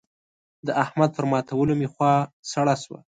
د احمد پر ماتولو مې خوا سړه شوه.